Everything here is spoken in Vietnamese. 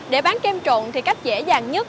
để bán kem trộn thì cách dễ dàng nhất